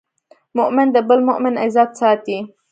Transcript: مؤمن د بل مؤمن عزت ساتي.